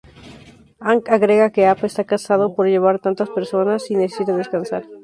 Aang agrega que Appa está cansado por llevar tantas personas y necesita descansar.